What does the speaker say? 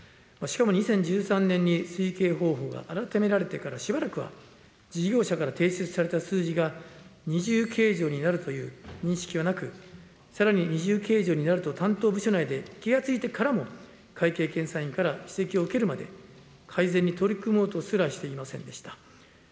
しかも２０１３年に推計方法が改められてから、しばらくは事業者から提出された数字が二重計上になるという認識はなく、さらに二重計上になると担当部署内で気が付いてからも、会計検査院から指摘を受けるまで、改善に取り組もうとすらしていませんでした。